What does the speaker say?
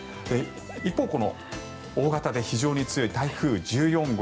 一方、大型で非常に強い台風１４号。